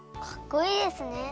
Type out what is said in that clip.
かっこいいですね。